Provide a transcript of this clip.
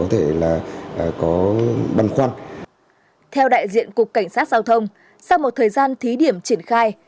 theo đại diện cục cảnh sát giao thông sau một thời gian thí điểm triển khai